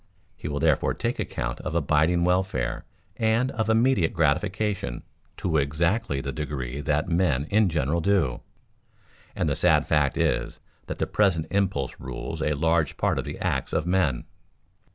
He will therefore take account of abiding welfare and of immediate gratification to exactly the degree that men in general do, and the sad fact is that the present impulse rules a large part of the acts of men.